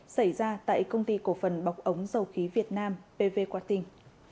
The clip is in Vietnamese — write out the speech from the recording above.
xảy ra tại công ty cổ phần bọc ống dầu khí việt nam pv quạt tình